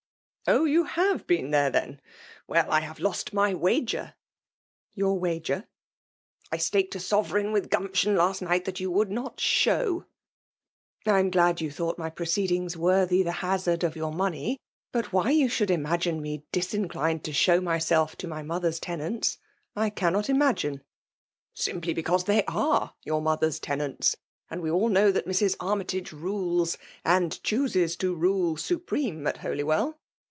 " Oh ! you have been there, then. Well— I have lost my wager !" "Your wager?'* *' I staked a sovereign with Gumption last night that you would not show'' I am glad you thought my proceedings worthy the hazard of your money* But why you should imagine me disinclined to show VOL. ir. D so FBMALB mpelf to my mother*s tenanUi> I eaimot ima '* Simply because they aa^e yoitr modier*8 tenants ; and we all know that Mrs. Army tage rules^ and chooses to rulc^ supreme at Holy^ well.